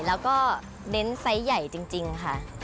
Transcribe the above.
แล้วก็เน้นไซส์ใหญ่จริงค่ะ